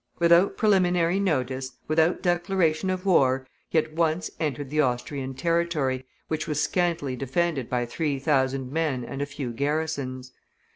Without preliminary notice, without declaration of war, he at once entered the Austrian territory, which was scantily defended by three thousand men and a few garrisons.